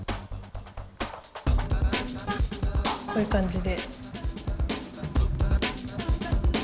こういうかんじで。